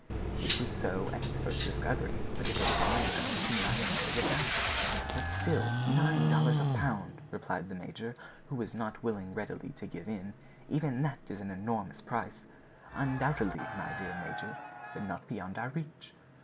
"It was so at its first discovery, but it has fallen now to nine dollars a pound." "But still, nine dollars a pound!" replied the major, who was not willing readily to give in; "even that is an enormous price." "Undoubtedly, my dear major; but not beyond our reach."